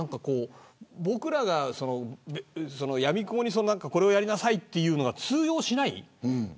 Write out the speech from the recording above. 僕らがやみくもにこれをやりなさい、というのは通用しない。